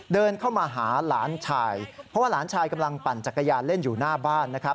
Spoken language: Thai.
เดินเข้ามาหาหลานชายเพราะว่าหลานชายกำลังปั่นจักรยานเล่นอยู่หน้าบ้านนะครับ